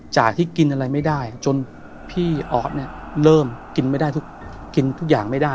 จากที่กินอะไรไม่ได้จนพี่ออสเนี่ยเริ่มกินไม่ได้กินทุกอย่างไม่ได้